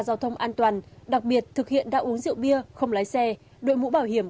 giao thông an toàn đặc biệt thực hiện đã uống rượu bia không lái xe đội mũ bảo hiểm